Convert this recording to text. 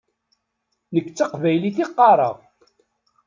Nekk d taqbaylit i qqaṛeɣ.